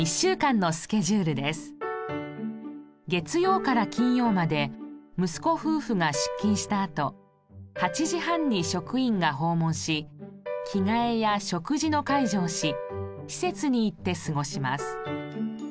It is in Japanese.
月曜から金曜まで息子夫婦が出勤したあと８時半に職員が訪問し着替えや食事の介助をし施設に行って過ごします。